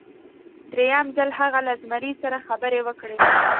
دریم ځل هغې له زمري سره خبرې وکړې.